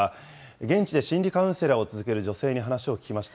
現地で心理カウンセラーを続ける女性に話を聞きました。